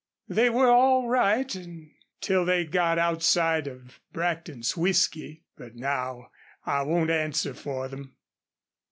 They were all right till they got outside of Brackton's whisky. But now I won't answer for them."